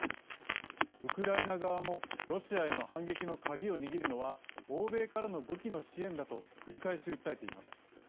ウクライナ側もロシアへの反撃の鍵を握るのは欧米からの武器の支援だと繰り返し訴えています。